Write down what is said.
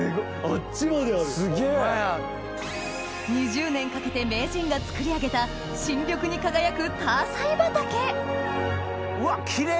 ２０年かけて名人が作り上げた深緑に輝くタアサイ畑うわっキレイ！